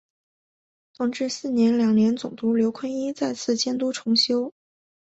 同治四年两江总督刘坤一再次监督重修。